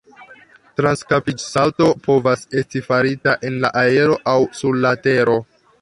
Transkapiĝsalto povas esti farita en la aero aŭ sur la tero.